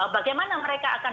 bagaimana mereka akan